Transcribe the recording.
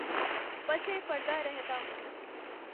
پس پردہ رہتا ہوں